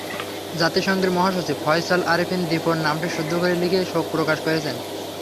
জাতিসংঘের মহাসচিব ফয়সল আরেফিন দীপন নামটি শুদ্ধ করে লিখে শোক প্রকাশ করেছেন।